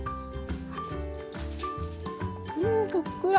うんふっくら！